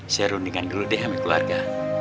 saya rundingkan dulu deh sama keluarga